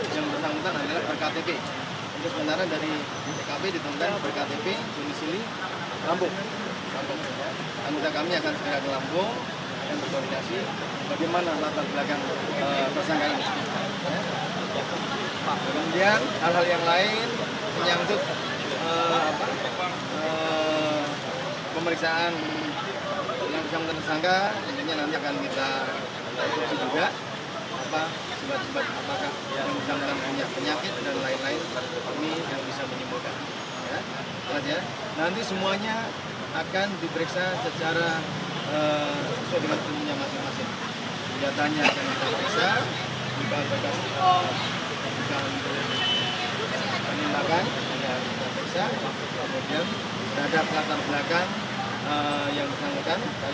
jalan proklamasi jakarta pusat